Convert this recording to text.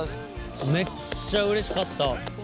めっちゃうれしかった。